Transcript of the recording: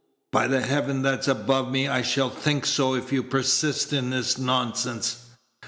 By the Heaven that's above me, I shall think so if you persist in this nonsense.